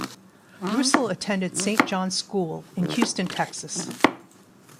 Roussel attended Saint John's School in Houston, Texas.